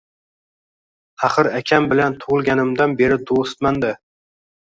Axir akam bilan tug`ilganimdan beri do`stman-da